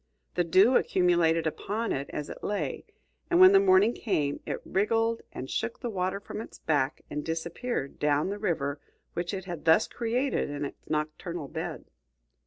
The dew accumulated upon it as it lay, and when the morning came it wriggled and shook the water from its back, and disappeared down the river which it had thus created in its nocturnal bed.